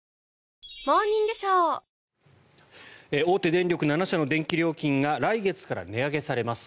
電力７社の電気料金が来月から値上げされます。